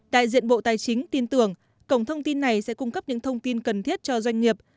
đại diện bộ tài chính tin tưởng cổng thông tin này sẽ cung cấp những thông tin cần thiết cho doanh nghiệp